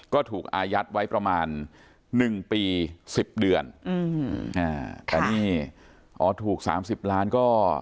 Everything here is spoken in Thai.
ก็ถูกอายัดไว้ประมาณหนึ่งปีสิบเดือนอืมอ่าแต่นี่อ๋อถูกสามสิบล้านก็